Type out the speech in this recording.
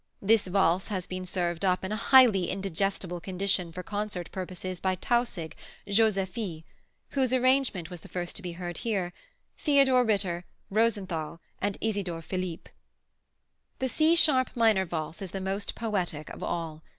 This valse has been served up in a highly indigestible condition for concert purposes by Tausig, Joseffy whose arrangement was the first to be heard here Theodore Ritter, Rosenthal and Isidor Philipp. The C sharp minor Valse is the most poetic of all.